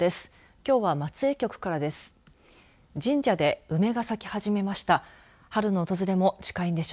きょうは松江局からです。